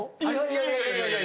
いやいやいやいや。